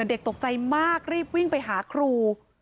เด็กตกใจมากรีบวิ่งไปหาครู